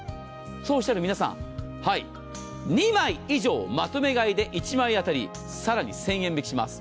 そうおっしゃる皆さん２枚以上まとめ買いで１枚あたりさらに１０００円引きします。